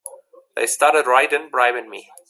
They started right in bribing me!